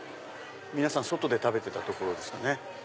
皆さん外で食べてた所ですかね。